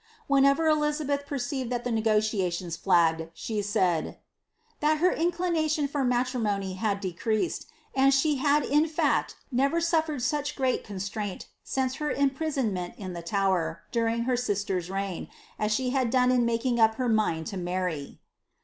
Whenever Elizabeth perceived tliat the negotiation flagged, she said, that her inclination for matrimony had decreased, and she had in fact never suflered such great constraint since her imprisonment in the Tower, during her sister's reign, as she had done in making up her mind to marry."'